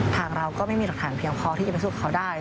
ทางเราก็ไม่มีหลักฐานเพียงพอที่จะพิสูจน์เขาได้